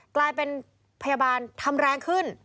กลายเป็นพยาบาลทำแรงขึ้น